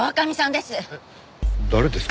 誰ですか？